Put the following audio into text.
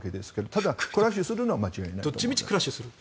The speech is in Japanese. ただ、クラッシュするのは間違いないです。